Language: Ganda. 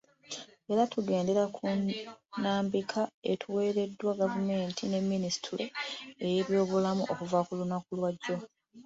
Era tugendera ku nnambika etuweereddwa gavumenti ne minisitule ey'ebyobulamu okuva ku lunaku lwa jjo.